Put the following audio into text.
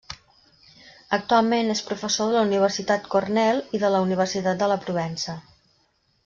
Actualment és professor de la Universitat Cornell i de la Universitat de la Provença.